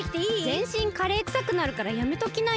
ぜんしんカレーくさくなるからやめときなよ。